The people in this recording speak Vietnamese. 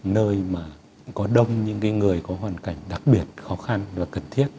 nơi mà có đông những người có hoàn cảnh đặc biệt khó khăn và cần thiết